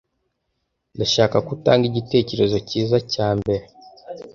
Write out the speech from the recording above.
Ndashaka ko utanga igitekerezo cyiza cya mbere.